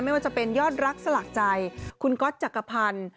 ไม่ว่าจะเป็นยอดรักสลักใจคุณก๊อตจักรพันธ์